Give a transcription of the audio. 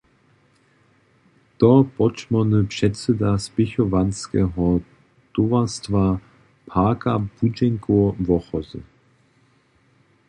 To podšmórny předsyda spěchowanskeho towarstwa Parka błudźenkow Wochozy.